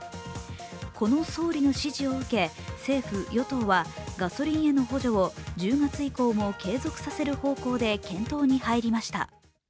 この総理の指示を受け、政府・与党はガソリンへの補助を１０月以降も継続させる方向で検討に入りました。